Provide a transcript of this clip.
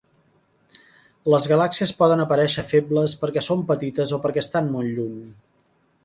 Les galàxies poden aparèixer febles perquè són petites o perquè estan molt lluny.